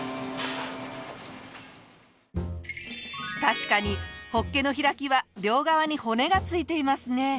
確かにホッケの開きは両側に骨が付いていますね。